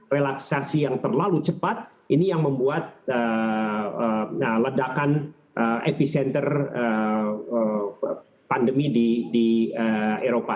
relaksasi yang terlalu cepat ini yang membuat ledakan epicenter pandemi di eropa